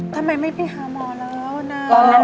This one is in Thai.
ทำไมไม่ไปหาหมอแล้วนะ